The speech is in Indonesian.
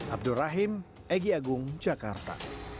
abdur rahim egy agung jakarta